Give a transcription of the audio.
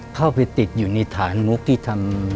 เข้าไปติดอยู่ในฐานงบที่ทำ